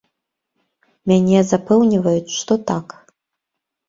Мяне запэўніваюць, што так.